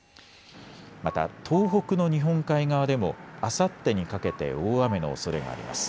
また東北の日本海側でもあさってにかけて大雨のおそれがあります。